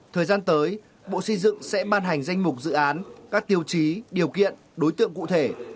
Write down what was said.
thời gian tới bộ xây dựng sẽ ban hành danh mục dự án các tiêu chí điều kiện đối tượng cụ thể